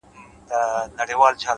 پوهه د شکونو تیاره کمزورې کوي’